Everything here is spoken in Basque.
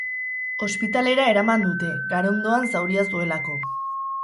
Ospitalera eraman dute, garondoan zauria zuelako.